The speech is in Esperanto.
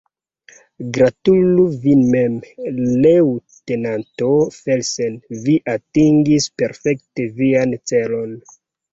Gratulu vin mem, leŭtenanto Felsen, vi atingis perfekte vian celon!